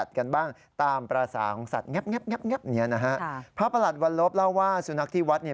เจ้าน้องเขาไปไหน